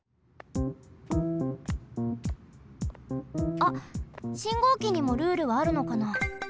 あっ信号機にもルールはあるのかな？